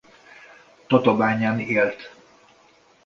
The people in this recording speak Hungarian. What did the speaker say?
Tatabányán élt.